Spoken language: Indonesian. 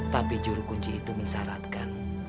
tapi juru kunci itu mensyaratkan